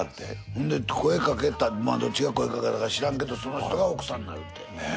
んで声かけたどっちが声かけたか知らんけどその人が奥さんになるって。